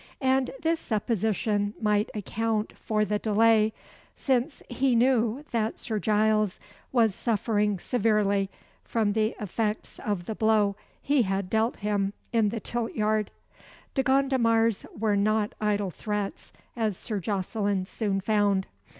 And this supposition might account for the delay since he knew that Sir Giles was suffering severely from the effects of the blow he had dealt him in the tilt yard. De Gondomar's were not idle threats, as Sir Jocelyn soon found.